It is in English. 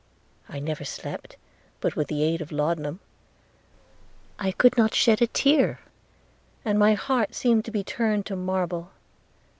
I never slept, but with the aid of laudanum – I could not shed a tear, and my heart seemed to be turned to marble.